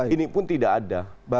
ini pun tidak ada